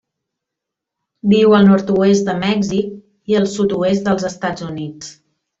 Viu al nord-oest de Mèxic i el sud-oest dels Estats Units.